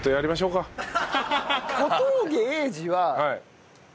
小峠英二は。